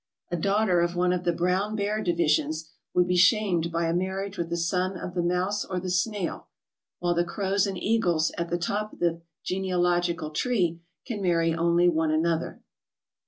A daughter of one of the Brown Bear divi sions would be shamed by a marriage with a son of the Mouse or the Snail, while the Crows and Eagles at the top of the genealogical tree can marry only one another.